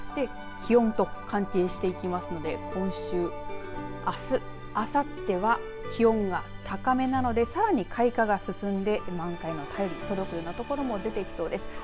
気温と関係していきますので今週、あす、あさっては気温が高めなのでさらに開花が進んで満開の便りが届くところもありそうです。